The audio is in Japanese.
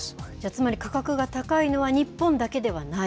つまり、価格が高いのは日本だけではない？